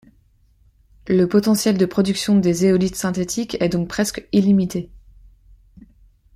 Le potentiel de production des zéolithes synthétiques est donc presque illimité.